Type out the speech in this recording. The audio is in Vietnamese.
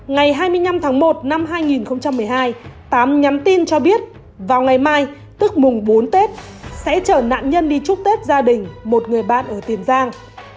ngày hai mươi năm tháng một năm hai nghìn một mươi hai tám nhắn tin cho biết vào ngày mai tức mùng bốn tết sẽ chở nạn nhân đi chúc tết gia đình một người bạn ở tiền giang